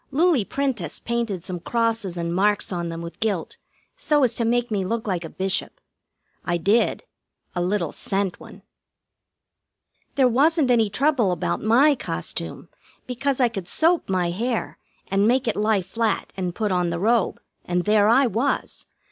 Loulie Prentiss painted some crosses and marks on them with gilt, so as to make me look like a Bishop. I did. A little cent one. There wasn't any trouble about my costume, because I could soap my hair and make it lie flat, and put on the robe, and there I was.